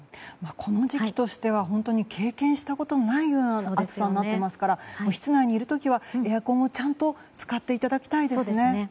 この時期としては経験したことのないような暑さになっていますから室内にいる時はエアコンをちゃんと使っていただきたいですね。